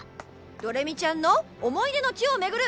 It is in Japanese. どれみちゃんの思い出の地を巡る！